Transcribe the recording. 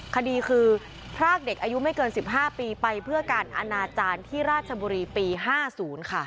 คดีคือพรากเด็กอายุไม่เกิน๑๕ปีไปเพื่อการอนาจารย์ที่ราชบุรีปี๕๐ค่ะ